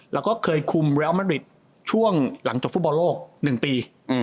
แล้วก็เคยคุมแรลมัดริสต์ช่วงหลังจากฟุตบอลโลกในปี๙๘๙๙